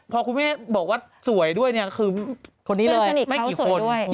พอครูเมฆบอกว่าสวยด้วยคือไม่กี่คน